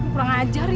kurang ajar ya